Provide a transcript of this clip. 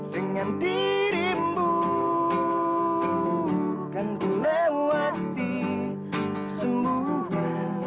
dengan dirimu kan lewati semua